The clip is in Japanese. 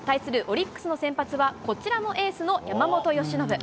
オリックスの先発は、こちらもエースの山本由伸。